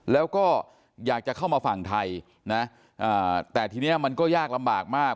แล้วก็อยากจะเข้ามาฝั่งไทยนะแต่ทีนี้มันก็ยากลำบากมาก